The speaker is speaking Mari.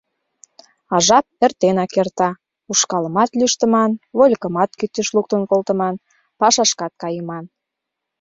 А жап эртенак эрта: ушкалымат лӱштыман, вольыкымат кӱтӱш луктын колтыман, пашашкат кайыман.